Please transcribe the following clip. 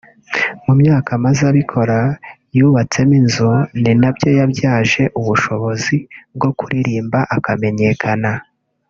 mu myaka amaze abikora yubatsemo inzu ni nabyo yabyaje ubushobozi bwo kuririmba akamenyekana